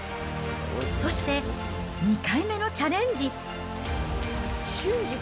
そして、２回目のチャレンジ。